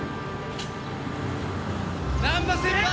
難波先輩！